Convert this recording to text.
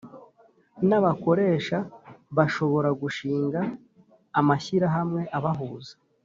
N abakoresha bashobora gushinga amashyirahamwe abahuza